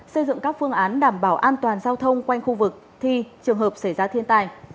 xây dựng các phương án đảm bảo an toàn giao thông quanh khu vực thi trường hợp xảy ra thiên tai